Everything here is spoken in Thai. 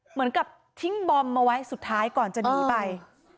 เหมือนกับทิ้งบอมมาไว้สุดท้ายก่อนจะหนีไป